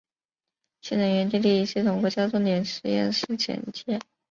新能源电力系统国家重点实验室简介